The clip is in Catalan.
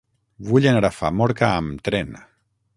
Vull anar a Famorca amb tren.